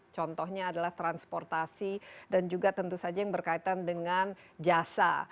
contohnya adalah transportasi dan juga tentu saja yang berkaitan dengan jasa